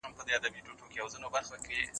د هغوی پوهېدل اسانه کار نه دی.